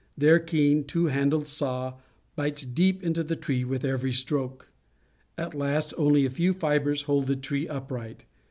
Their keen, two handled saw bites deep into the tree with every stroke. At last only a few fibres hold the tree upright.